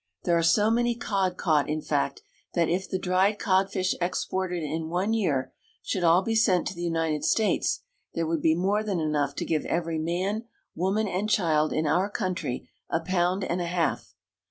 There are so many cod caught, in fact, that if the dried codfish exported in one year should all be sent to the United States, there would be more than enough to give every man, woman, and child in our country a pound and a half.